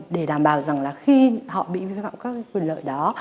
để đảm bảo rằng là khi họ bị vi phạm các quyền lợi đó